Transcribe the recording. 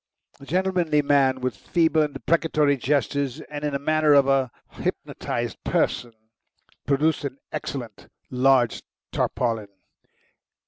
The gentlemanly man, with feeble and deprecatory gestures, and in the manner of a hypnotised person, produced an excellent large tarpaulin.